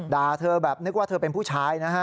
ด่าเธอแบบนึกว่าเธอเป็นผู้ชายนะฮะ